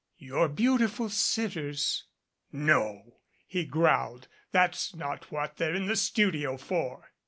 "Your beautiful sitters." "No," he growled. "That's not what they're in the studio for."